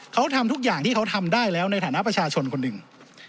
เขาทำทุกอย่างที่เขาทำได้แล้วในฐานะประชาชนคนหนึ่ง